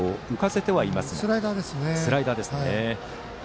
スライダーですね。